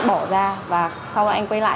bỏ ra và sau anh quay lại